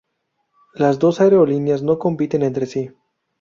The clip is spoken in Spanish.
Las dos aerolíneas no compiten entre sí.